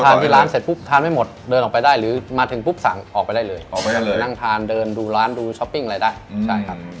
ที่ร้านเสร็จปุ๊บทานไม่หมดเดินออกไปได้หรือมาถึงปุ๊บสั่งออกไปได้เลยออกไปได้เลยนั่งทานเดินดูร้านดูช้อปปิ้งอะไรได้ใช่ครับ